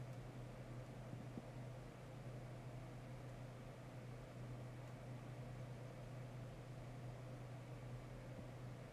The tolls charged by the bridge concessionaire, Skye Bridge Limited, were particularly unpopular.